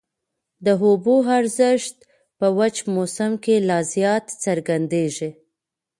د اوبو ارزښت په وچ موسم کي لا زیات څرګندېږي.